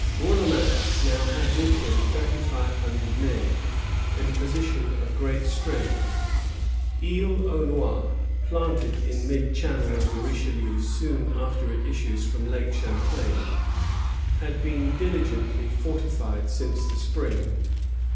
Bourlamaque now had with him thirty five hundred men, in a position of great strength. Isle aux Noix, planted in mid channel of the Richelieu soon after it issues from Lake Champlain, had been diligently fortified since the spring.